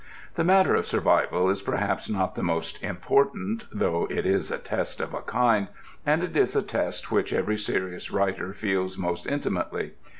The matter of survival is perhaps not the most important, though it is a test of a kind, and it is a test which every serious writer feels most intimately.